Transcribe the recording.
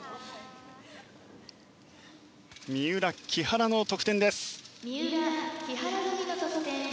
三浦、木原の得点です。